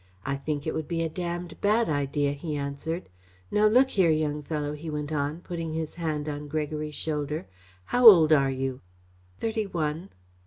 "I think it would be a damned bad idea," he answered. "Now, look here, young fellow," he went on, putting his hand on Gregory's shoulder, "how old are you?" "Thirty one."